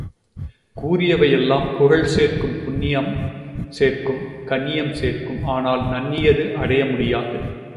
கூறியவை எல்லாம் புகழ் சேர்க்கும் புண்ணியம் சேர்க்கும் கண்ணியம் சேர்க்கும் ஆனால் நண்ணியது அடைய முடியாது.